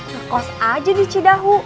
ngekos aja di cidahu